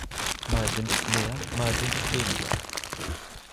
Mal sind es mehr, mal sind es weniger.